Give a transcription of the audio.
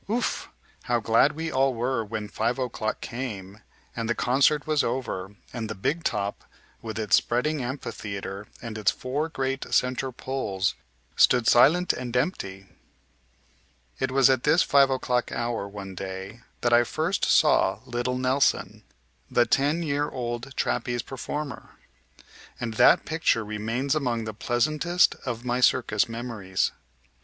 Ouf! How glad we all were when five o'clock came, and the concert was over, and the "big top," with its spreading amphitheater and its four great center poles, stood silent and empty! It was at this five o'clock hour one day that I first saw little Nelson, the ten year old trapeze performer, and that picture remains among the pleasantest of my circus memories.